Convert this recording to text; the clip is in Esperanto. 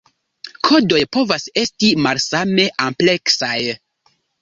Kodoj povas esti malsame ampleksaj.